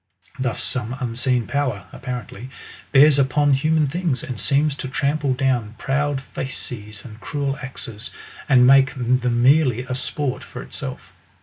Thus some unseen power, apparently, bears upon human things, and seems to trample down proud fasces and cruel axes, and make them merely a sport for itself.